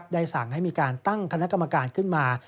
ได้สั่งให้มีการตั้งคณะกรรมการขึ้นมา